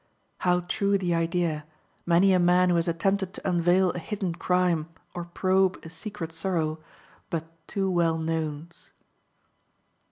How true the idea, many a man who has attempted to unveil a hidden crime, or probe a secret sorrow, but too well knows.